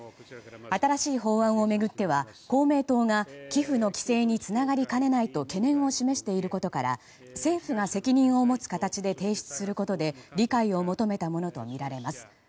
新しい法案を巡っては公明党が寄付の規制につながりかねないと懸念を示していることから政府が責任を持つ形で提出することで理解を求めたものとみられます。